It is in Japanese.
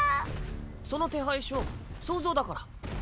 その手配書想像だから。